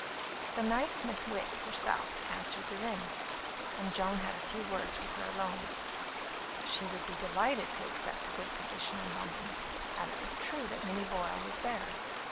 The nice Miss Witt herself answered the ring, and Joan had a few words with her alone. She would be delighted to accept a good position in London; and it was true that Minnie Boyle was there.